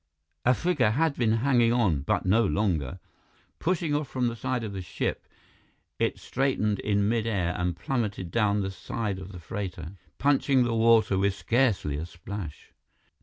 A figure had been hanging on, but no longer. Pushing off from the side of the ship, it straightened in mid air and plummeted down the side of the freighter, punching the water with scarcely a splash.